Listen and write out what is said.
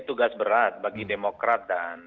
tugas berat bagi demokrat dan